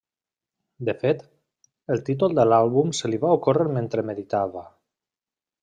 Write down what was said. De fet, el títol de l'àlbum se li va ocórrer mentre meditava.